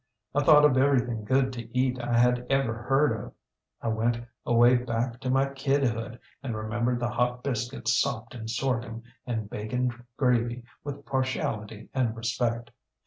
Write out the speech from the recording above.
I thought of everything good to eat I had ever heard of. I went away back to my kidhood and remembered the hot biscuit sopped in sorghum and bacon gravy with partiality and respect.